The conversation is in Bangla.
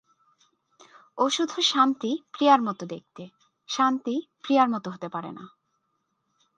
ও শুধু শান্তি প্রিয়ার মতো দেখতে, শান্তি প্রিয়ার মতো হতে পারে না।